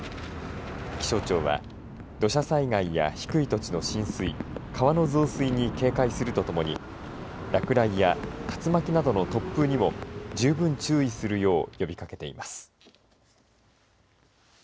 気象庁は土砂災害や低い土地の浸水川の増水に警戒するとともに落雷や竜巻などの突風にも十分、注意するよう呼びかけています。